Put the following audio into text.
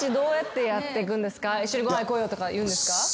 一緒にご飯行こうよとか言うんですか？